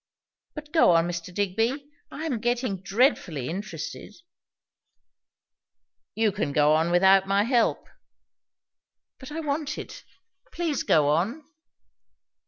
But go on, Mr. Digby; I am getting dreadfully interested." "You can go on without my help." "But I want it. Please go on."